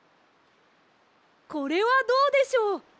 これはどうでしょう。